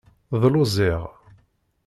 Dlu ziɣ.